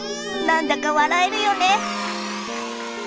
何だか笑えるよね。